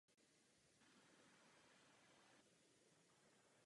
Moderátorem večera byl již podruhé Ricky Gervais.